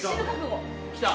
きた！